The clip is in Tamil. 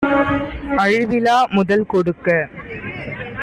அழிவிலாமு தல்கொடுக்க